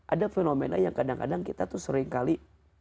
ada fenomena yang kadang kadang kita tuh seringkali